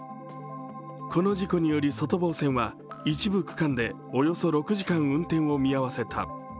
この事故により外房線は一部区間でおよそ６時間運転を見合わせた。